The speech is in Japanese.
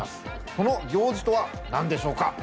その行事とは何でしょうか？